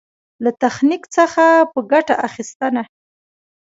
له تخنيک څخه په ګټه اخېستنه.